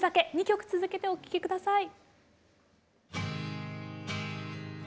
２曲続けてお聴き下さい。